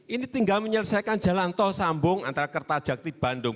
ini tinggal menyelesaikan jalan tol sambung antara kertajati bandung